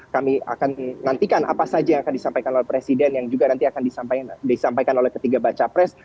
kami akan nantikan apa saja yang akan disampaikan oleh presiden yang juga nanti akan disampaikan oleh ketiga baca pres